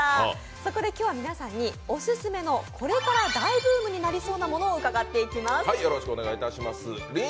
そこで今日は皆さんにオススメのこれから大ブームになりそうなものを伺っていきます。